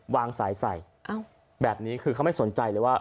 วางสายใส่แบบนี้คือเขาไม่สนใจเลยว่า